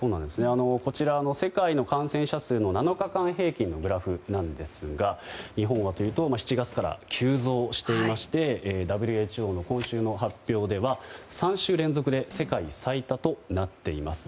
こちらは世界の感染者数の７日間平均のグラフなんですが日本は７月から急増していましてＷＨＯの今週の発表では３週連続で世界最多となっています。